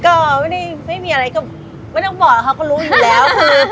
ก็ไม่ได้ไม่มีอะไรก็ไม่ต้องบอกเขาก็รู้อยู่แล้วคือ